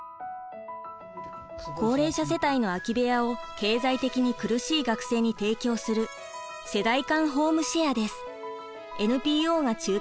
高齢者世帯の空き部屋を経済的に苦しい学生に提供するＮＰＯが仲介しました。